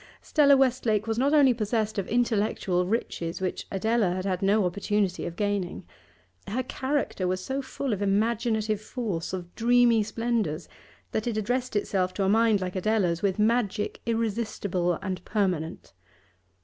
Stella Westlake was not only possessed of intellectual riches which Adela had had no opportunity of gaining; her character was so full of imaginative force, of dreamy splendours, that it addressed itself to a mind like Adela's with magic irresistible and permanent.